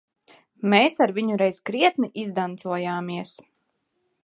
Mēs ar viņu reiz krietni izdancojāmies.